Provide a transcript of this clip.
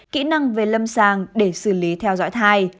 kỹ năng về lâm sàng để xử lý theo dõi thai